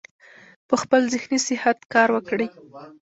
پۀ خپل ذهني صحت کار وکړي -